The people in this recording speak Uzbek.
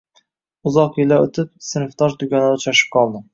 Uzoq yillar oʻtib sinfdosh dugonalar uchrashib qoldi